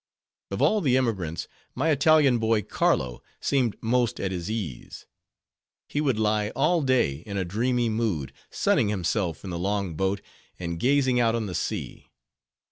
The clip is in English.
Of all the emigrants, my Italian boy Carlo, seemed most at his ease. He would lie all day in a dreamy mood, sunning himself in the long boat, and gazing out on the sea.